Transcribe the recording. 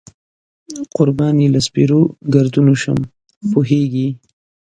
قربان یې له سپېرو ګردونو شم، پوهېږې.